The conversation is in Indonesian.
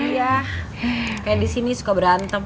iya disini suka berantem